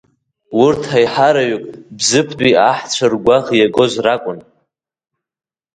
Урҭ аиҳараҩык Бзыԥтәи аҳцәа ргәаӷ иагоз ракәын.